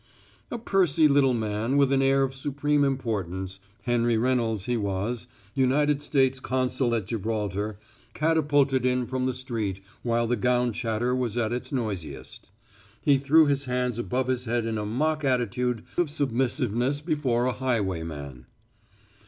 A pursy little man with an air of supreme importance Henry Reynolds he was, United States Consul at Gibraltar catapulted in from the street while the gown chatter was at its noisiest. He threw his hands above his head in a mock attitude of submissiveness before a highwayman.